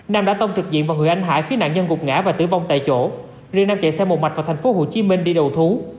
nam chạy xe một mạch vào thành phố hồ chí minh đi đầu thú